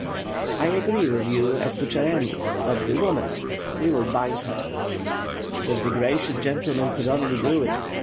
"I agree with you as to Cheremis but the woman — we will bind her." "If the gracious gentlemen could only do it!